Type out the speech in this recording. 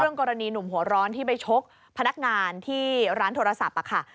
กรณีหนุ่มหัวร้อนที่ไปชกพนักงานที่ร้านโทรศัพท์ค่ะ